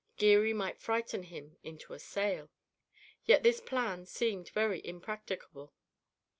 Geary might frighten him into a sale. Yet this plan seemed very impracticable.